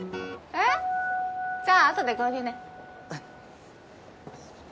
えっ？じゃあ後で合流ね。